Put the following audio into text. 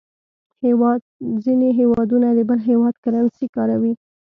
ځینې هېوادونه د بل هېواد کرنسي کاروي.